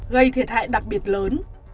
gây thiệt hại đặc biệt lớn